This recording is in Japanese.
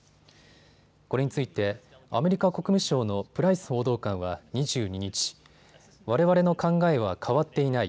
これについてアメリカ国務省のプライス報道官は２２日、われわれの考えは変わっていない。